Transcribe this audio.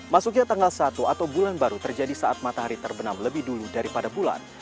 masuknya tanggal satu atau bulan baru terjadi saat matahari terbenam lebih dulu daripada bulan